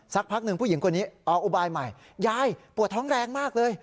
สักพักหนึ่งผู้หญิงคนนี้ออกอุบายใหม่ยายปวดท้องแรงมากเลย